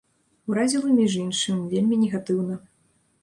Уразіла, між іншым, вельмі негатыўна.